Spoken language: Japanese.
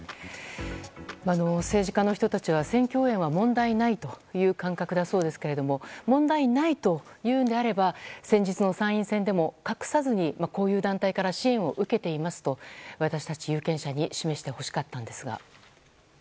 政治家の人たちは選挙応援は問題ないという感覚だそうですが問題ないというのであれば先日の参院選でも隠さずにこういう団体から支援を受けていますと私たち有権者に示してほしかったんですが。